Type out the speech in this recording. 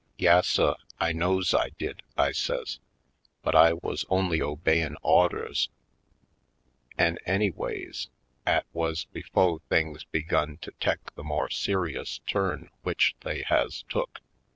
"Yas, suh, I knows I did," I says; "but I wuz only obey in' awders — an' anyways 'at wuz befo' things begun to tek the more ser ious turn w'ich they has took.